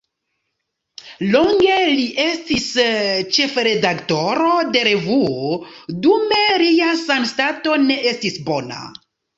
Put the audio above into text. Longe li estis ĉefredaktoro de revuo, dume lia sanstato ne estis bona.